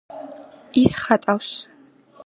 ის ხატავს